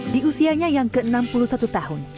di usianya yang ke enam puluh satu tahun